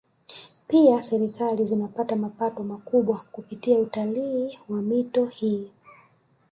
Pia Serikali zinapata mapato makubwa kupitia utalii wa mito hii